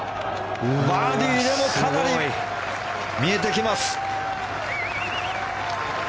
バーディーでもかなり見えてきます。